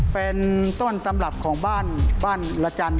เป็นต้นตำรับของบ้านบ้านละจันทร์